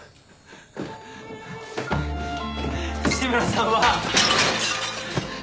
紫村さんは。